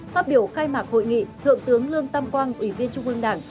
pháp biểu khai mạc hội nghị thượng tướng lương tâm quang ủy viên trung ương đảng